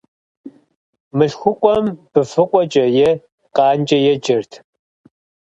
Мылъхукъуэм быфэкъуэкӏэ, е къанкӀэ еджэрт.